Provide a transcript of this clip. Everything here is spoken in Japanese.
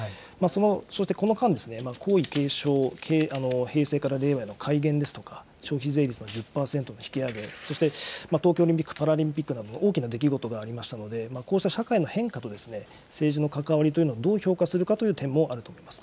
そしてその間、皇位継承、平成から令和の改元ですとか、消費税率の１０％の引き上げ、そして東京オリンピック・パラリンピックなど、大きな出来事がありましたので、こうした社会の変化と政治の関わりというのをどう評価するかという点もあると思います。